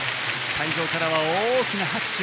会場からは大きな拍手。